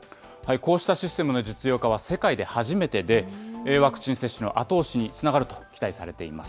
こうしたシステムの実用化は世界で初めてで、ワクチン接種の後押しにつながると期待されています。